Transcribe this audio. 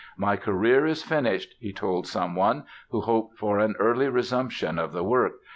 "My career is finished" he told someone who hoped for an early resumption of the work.